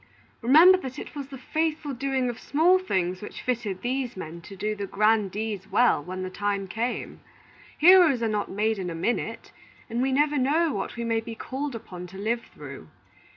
remember that it was the faithful doing of small things which fitted these men to do the grand deeds well, when the time came. Heroes are not made in a minute, and we never know what we may be called upon to live through.